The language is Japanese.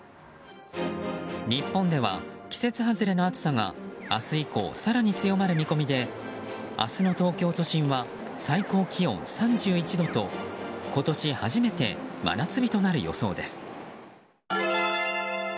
日本では季節外れの暑さが明日以降、更に強まる見込みで明日の東京都心は最高気温３１度と今年初めて真夏日となる予想です。